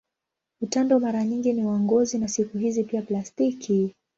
Utando mara nyingi ni wa ngozi na siku hizi pia plastiki.